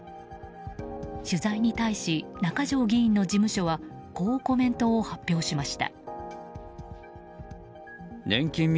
取材に対し、中条議員の事務所はこうコメントを発表しました。